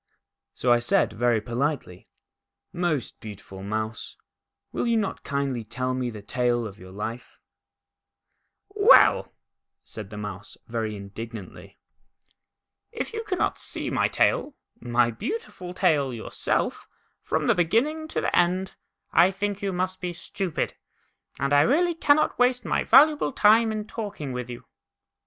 So I said, very politely :" Most beautiful Mouse, will you not kindly tell me the tale of your life ?" "Well," said the Mouse, very indignantly, "if 253 254 The Tail of a Mouse. you cannot see my tail, my beautiful tail, yourself, from the beginning to the end, I think you must be stupid, and I really cannot waste my valuable time in talking with you."